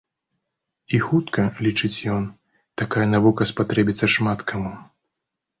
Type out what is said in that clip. І хутка, лічыць ён, такая навука спатрэбіцца шмат каму.